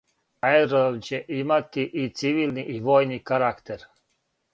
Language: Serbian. Аеродром ће имати и цивилни и војни карактер.